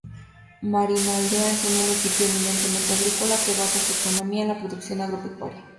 Marinaleda es un municipio eminentemente agrícola que basa su economía en la producción agropecuaria.